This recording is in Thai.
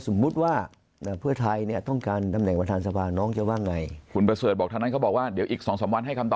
สมมุติว่าเพื่อไทยต้องการทำแหน่งประธานสภานกรรม